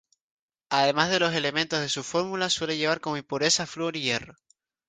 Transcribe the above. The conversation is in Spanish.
Además de los elementos de su fórmula, suele llevar como impurezas: flúor y hierro.